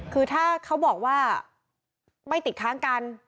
คือถ้าเขาบอกว่าไม่ติดค้างกัน